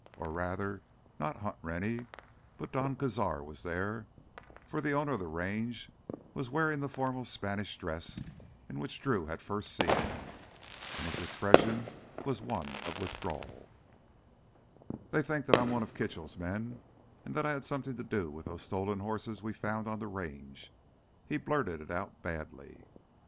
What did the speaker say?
Or rather, not Hunt Rennie, but Don Cazar was there—for the owner of the Range was wearing the formal Spanish dress in which Drew had first seen him. And his expression was one of withdrawal. "They think that I'm one of Kitchell's men and that I had something to do with those stolen horses we found on the Range." He blurted it out badly.